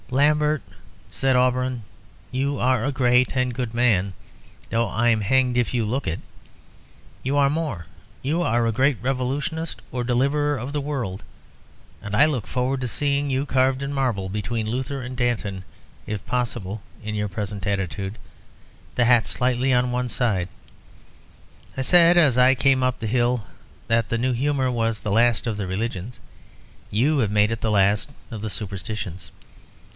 "Lambert," said Auberon, "you are a great and good man, though I'm hanged if you look it. You are more. You are a great revolutionist or deliverer of the world, and I look forward to seeing you carved in marble between Luther and Danton, if possible in your present attitude, the hat slightly on one side. I said as I came up the hill that the new humour was the last of the religions. You have made it the last of the superstitions.